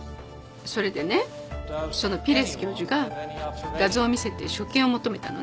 それでねそのピレス教授が画像を見せて所見を求めたのね。